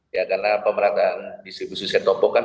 ya karena pemerataan di sibu susi topo kan